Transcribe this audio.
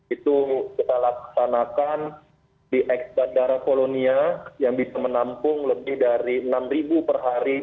itu kita laksanakan di eks bandara kolonia yang bisa menampung lebih dari enam per hari